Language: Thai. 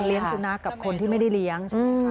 คนเลี้ยงสุนัขกับคนที่ไม่ได้เลี้ยง